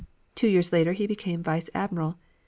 Two years later he became vice admiral.